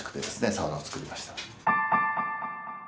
サウナを作りました。